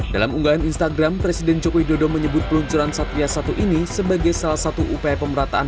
dalam unggahan instagram presiden joko widodo menyebut peluncuran satria satu ini sebagai salah satu upaya pemerataan